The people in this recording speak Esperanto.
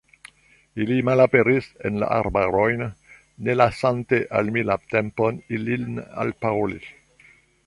Ili malaperis en la arbarojn, ne lasante al mi la tempon, ilin alparoli.